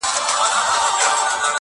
حقيقت ورو ورو پټيږي ډېر ژر,